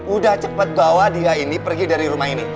udah cepet bawa dia ini pergi dari rumah ini